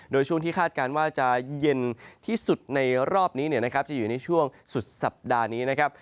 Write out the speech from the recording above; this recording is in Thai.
โดยช่วงที่คาดการณ์ว่าจะเย็นที่สุดในรอบนี้จะอยู่ในช่วงสุดสัปดาห์นี้นะครับ